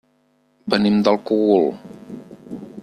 Venim del Cogul.